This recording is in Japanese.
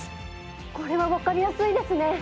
これはわかりやすいですね。